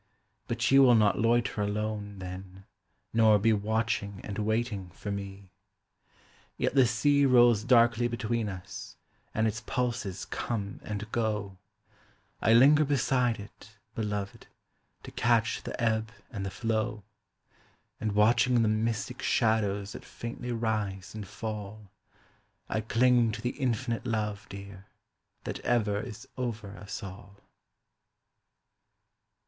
But you will not loiter alone, then, nor be watching and waiting for me ! 85 A WOMAN'S LETTER. Yet the sea rolls darkly between us, and its pulses come and go : I linger beside it, beloved, to catch the ebb and the flow; And watching the mystic shadows that faintly rise and fall, I cling to the Infinite Love, dear, that ever is over us all!